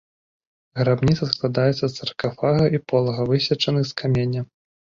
Грабніца складаецца з саркафага і полага, высечаных з каменя.